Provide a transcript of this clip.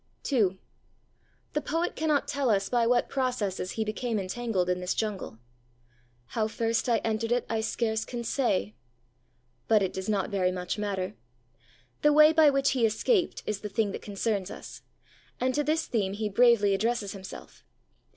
II The poet cannot tell us by what processes he became entangled in this jungle. 'How first I entered it I scarce can say.' But it does not very much matter. The way by which he escaped is the thing that concerns us; and to this theme he bravely addresses himself.